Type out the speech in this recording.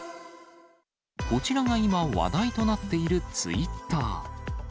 こちらが今、話題となっているツイッター。